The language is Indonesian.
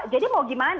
jadi mau gimana